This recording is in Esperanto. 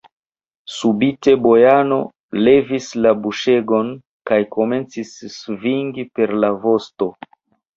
Subite Bujano levis la buŝegon kaj komencis svingi per la vosto.